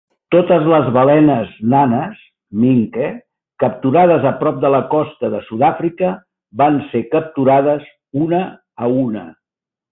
Totes les balenes nanes minke capturades a prop de la costa de Sud-Àfrica van ser capturades una a una.